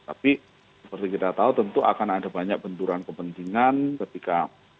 tapi seperti kita tahu tentu akan ada banyak benturan kepentingan ketika